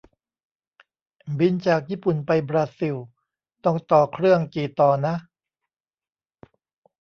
บินจากญี่ปุ่นไปบราซิล ต้องต่อเครื่องกี่ต่อนะ